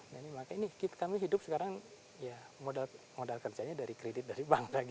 dan ini makanya kita hidup sekarang ya modal kerjanya dari kredit dari bank lagi